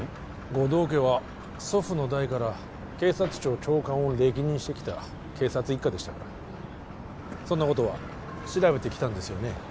護道家は祖父の代から警察庁長官を歴任してきた警察一家でしたからそんなことは調べてきたんですよね？